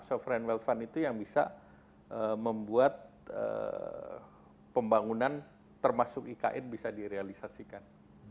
sovereign wealth fund itu yang bisa membuat pembangunan termasuk ikn bisa direalisasikan